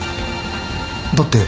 だって